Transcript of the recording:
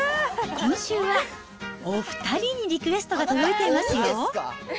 今週はお２人にリクエストが届いていますよ。